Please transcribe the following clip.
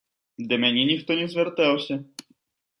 Да мяне ніхто не звяртаўся.